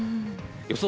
予想